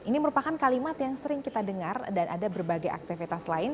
ini merupakan kalimat yang sering kita dengar dan ada berbagai aktivitas lain